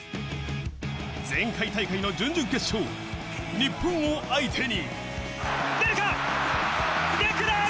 前回大会の準々決勝、日本を相手に。